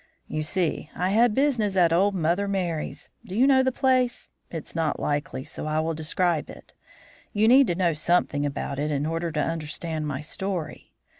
"You see, I had business at old Mother Merry's. Do you know the place? It's not likely, so I will describe it; you need to know something about it in order to understand my story.